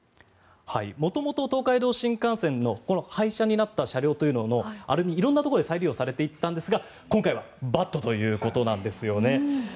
元々、東海道新幹線のこの廃車になった車両のアルミ色々なところで再利用されていたんですが今回はバットということなんですよね。